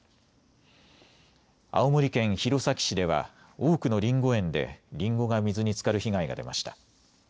青森県弘前市では多くのりんご園でりんごが水につかる被害が出ました。